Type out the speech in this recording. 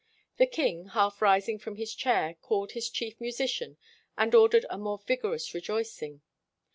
The king, half rising from his chair, called his chief musician and ordered a more vigorous re joicing.